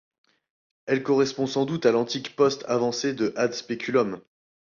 Elle correspond sans doute à l'antique poste avancé de Ad Speculum.